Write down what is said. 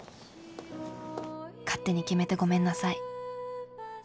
勝手に決めてごめんなさい。